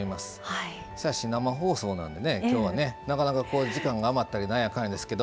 生放送なんでねなかなか時間が余ったりなんやかんやですけど。